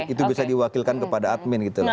itu bisa diwakilkan kepada admin